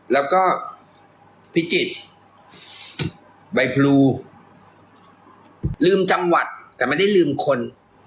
แล้วก็พิจิตรใบพลูลืมจังหวัดแต่ไม่ได้ลืมคน